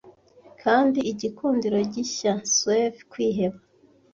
kandi igikundiro gishya suave kwiheba